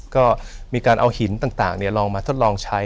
ก็มีการเอาหินต่างลองมาทดลองใช้